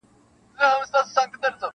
پر پچه وختی کشمیر یې ولیدی -